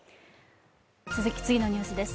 次のニュースです。